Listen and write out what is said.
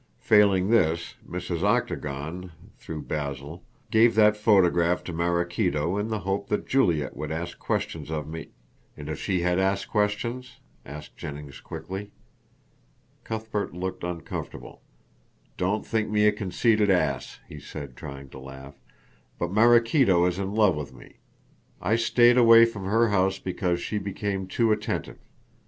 Failing this, Mrs. Octagon, through Basil, gave that photograph to Maraquito in the hope that Juliet would ask questions of me " "And if she had asked questions?" asked Jennings quickly. Cuthbert looked uncomfortable. "Don't think me a conceited ass," he said, trying to laugh, "but Maraquito is in love with me. I stayed away from her house because she became too attentive.